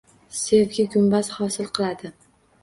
Sevgi gumbaz hosil qiladi.